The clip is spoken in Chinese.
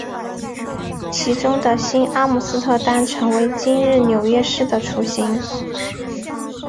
其中的新阿姆斯特丹成为今日纽约市的雏形。